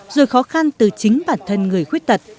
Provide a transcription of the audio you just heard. rồi khó khăn từ chính bản thân người khuyết tật